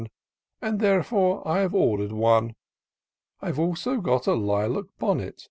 And therefore I have order'd one : I've also got a lilac bonnet.